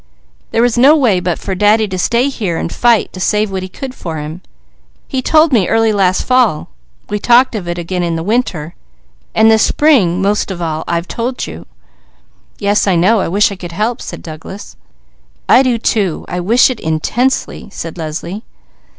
There was no way but for Daddy to stay here and fight to save what he could for him. He told me early last fall; we talked of it again in the winter, and this spring most of all I've told you!" "Yes I know! I wish I could help!" said Douglas. "I do too! I wish it intensely," said Leslie.